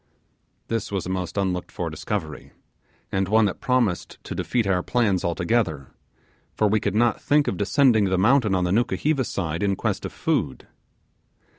This was a most unlooked for discovery, and one that promised to defeat our plans altogether, for we could not think of descending the mountain on the Nukuheva side in quest of food.